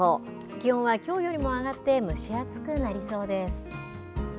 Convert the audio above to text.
気温はきょうよりも上がって、蒸し暑くなりそうです。